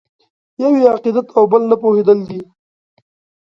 یو یې عقیدت او بل نه پوهېدل دي.